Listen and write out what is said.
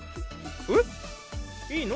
えっいいの？